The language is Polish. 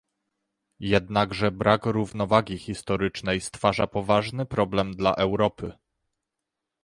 Jednakże brak równowagi historycznej stwarza poważny problem dla Europy